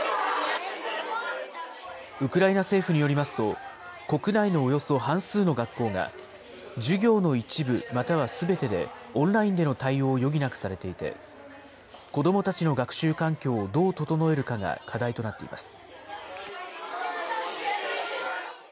ウクライナ政府によりますと、国内のおよそ半数の学校が授業の一部、またはすべてで、オンラインでの対応を余儀なくされていて、子どもたちの学習環境をどう整えるかが課題となっています。